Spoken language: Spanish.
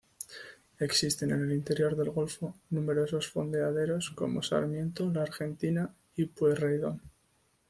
Existen en el interior del golfo numerosos fondeaderos, como Sarmiento, La Argentina y Pueyrredón.